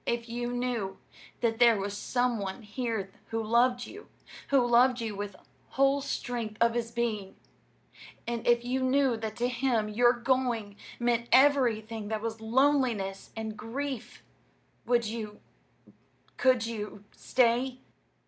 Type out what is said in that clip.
If you knew that there was some one here who loved you who loved you with the whole strength of his being, and if you knew that to him your going meant everything that was loneliness and grief, would you could you stay?"